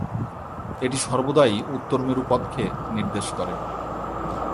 এটি সর্বদাই উত্তর মেরু পথকে নির্দেশ করে।